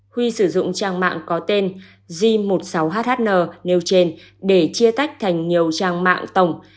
huy sử dụng trang mạng có tên g một mươi sáu hhn nêu trên để chia tách thành nhiều trang mạng tổng